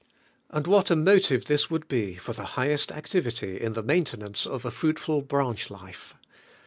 And what a motive this would be for the highest activity in the maintenance of a fruitful branch life!